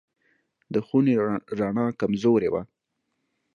د خونې رڼا کمزورې وه.